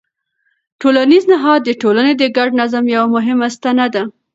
ټولنیز نهاد د ټولنې د ګډ نظم یوه مهمه ستنه ده.